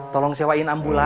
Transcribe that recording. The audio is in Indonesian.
tolong sewain ambulan